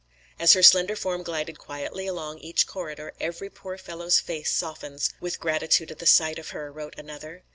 "As her slender form glided quietly along each corridor every poor fellow's face softens with gratitude at the sight of her," wrote another.